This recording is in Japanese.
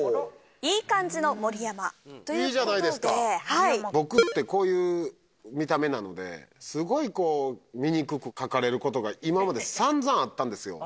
「いい感じの盛山」ということで僕ってこういう見た目なのですごい醜く描かれることが今までさんざんあったんですよ